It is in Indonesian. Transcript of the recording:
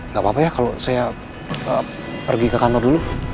nggak apa apa ya kalau saya pergi ke kantor dulu